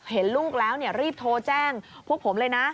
เห็นลูกแล้วรีบโทรแจ้งพวกผมเลยนะ